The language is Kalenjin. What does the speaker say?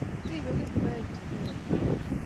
Ripe kipkoech tuka en kaa